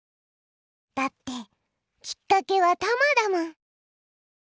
だってきっかけはたまだもん！